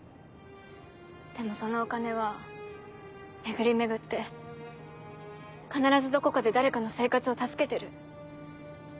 でもそのお金は巡り巡って必ずどこかで誰かの生活を助けてる。